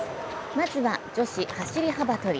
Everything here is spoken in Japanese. まずは女子走り幅跳び。